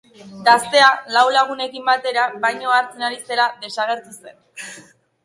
Gaztea lau lagunekin batera bainua hartzen ari zela desagertu zen.